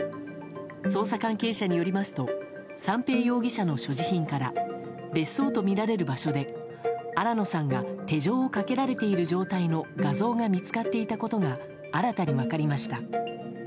捜査関係者によりますと三瓶容疑者の所持品から別荘とみられる場所で新野さんが手錠をかけられている状態の画像が見つかっていたことが新たに分かりました。